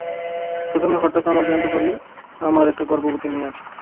প্রথমে হঠাৎ আমার জানতে পারি আমার একটি গর্ভবতী মেয়ে আছে।